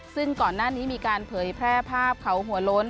ซึ่งก่อนหน้านี้มีการเผยแพร่ภาพเขาหัวโล้น